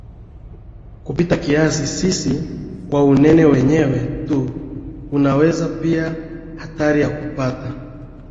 kupita kiasi sisi kwa unene wenyewe tu unaongeza pia hatari ya kupata